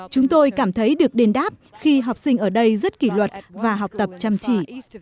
chúng tôi cảm thấy được đền đáp khi học sinh ở đây rất kỷ luật và học tập chăm chỉ